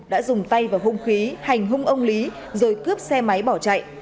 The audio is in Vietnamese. đã dùng tay vào hung khí hành hung ông lý rồi cướp xe máy bỏ chạy